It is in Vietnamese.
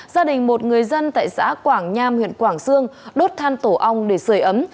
gia đình một người dân tại xã quảng nham huyện quảng sương đốt than tổ ong để sửa ấm